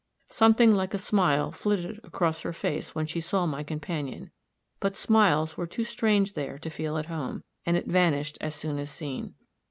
Something like a smile flitted across her face when she saw my companion, but smiles were too strange there to feel at home, and it vanished as soon as seen.